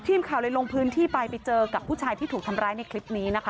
ทีมข่าวเลยลงพื้นที่ไปไปเจอกับผู้ชายที่ถูกทำร้ายในคลิปนี้นะคะ